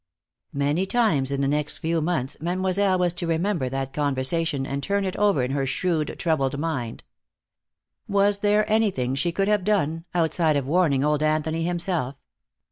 Many times in the next few months Mademoiselle was to remember that conversation, and turn it over in her shrewd, troubled mind. Was there anything she could have done, outside of warning old Anthony himself?